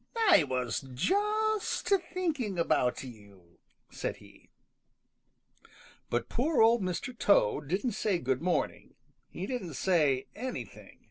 I was just thinking about you," said he. But poor Old Mr. Toad didn't say good morning. He didn't say anything.